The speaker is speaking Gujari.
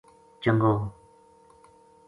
چنگو